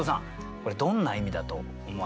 これどんな意味だと思われますか。